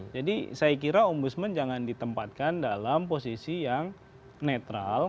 jadi saya kira ombudsman jangan ditempatkan dalam posisi yang netral